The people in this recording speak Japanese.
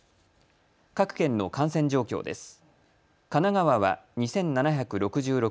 各県の感染状況です。